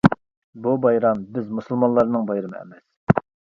بۇ بايرام بىز مۇسۇلمانلارنىڭ بايرىمى ئەمەس!